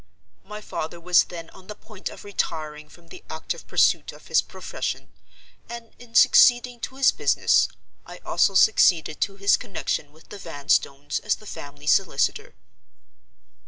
My father was then on the point of retiring from the active pursuit of his profession; and in succeeding to his business, I also succeeded to his connection with the Vanstones as the family solicitor.